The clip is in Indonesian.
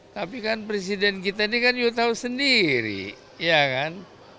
tapi kan presiden kita ini kan juga tahu sendiri ya kan